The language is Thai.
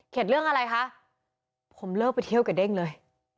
เรื่องอะไรคะผมเลิกไปเที่ยวกับเด้งเลย